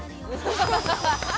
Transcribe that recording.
ハハハハ！